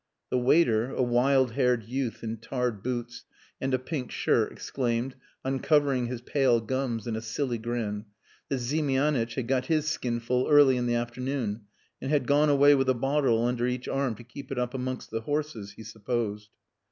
The waiter, a wild haired youth in tarred boots and a pink shirt, exclaimed, uncovering his pale gums in a silly grin, that Ziemianitch had got his skinful early in the afternoon and had gone away with a bottle under each arm to keep it up amongst the horses he supposed.